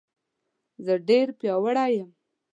زه ډېر پیاوړی یم